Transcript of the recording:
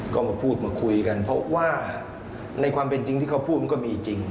ก็มาพูดมาคุยกันเพราะว่าในความเป็นจริงที่เขาพูดมันก็มีจริง